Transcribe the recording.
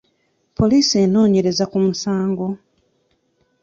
Poliisi enoonyereza ku musango.